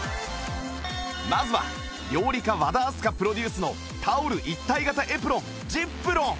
まずは料理家和田明日香プロデュースのタオル一体型エプロン ｚｉｐｒｏｎ